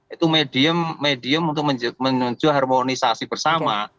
itu medium medium untuk menuju harmonisasi bersama